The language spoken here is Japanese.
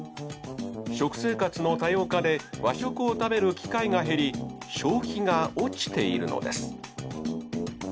食生活の多様化で和食を食べる機会が減り消費が落ちているのです。